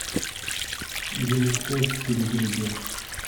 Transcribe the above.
Je ne sais ce que vous voulez dire.